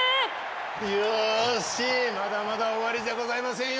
よしまだまだ終わりじゃございませんよ！